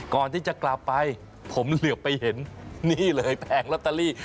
ก่อนที่จะกลับไปผมเหลือไปเห็นนี่เลยแผงลอตเตอรี่